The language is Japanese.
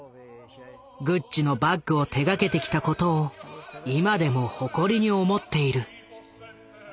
グッチのバッグを手がけてきたことを今でも誇りに思っている。